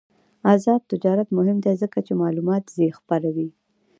آزاد تجارت مهم دی ځکه چې معلومات خپروي.